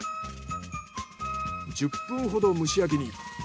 １０分ほど蒸し焼きに。